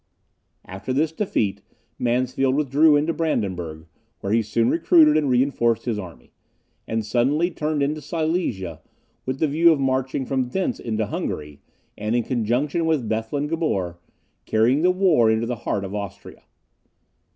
After this defeat, Mansfeld withdrew into Brandenburg, where he soon recruited and reinforced his army; and suddenly turned into Silesia, with the view of marching from thence into Hungary; and, in conjunction with Bethlen Gabor, carrying the war into the heart of Austria.